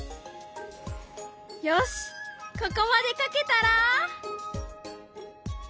よしここまで描けたら。